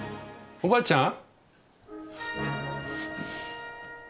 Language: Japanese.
おばあちゃん？